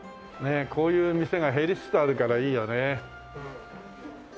こういう店が減りつつあるからいいよね。